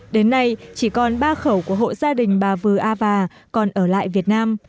đến nay chỉ còn ba khẩu của hộ gia đình bà vư a và còn ở lại việt nam